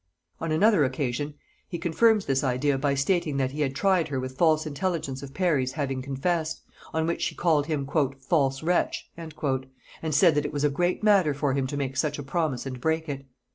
On another occasion he confirms this idea by stating that he had tried her with false intelligence of Parry's having confessed, on which she called him "false wretch," and said that it was a great matter for him to make such a promise and break it.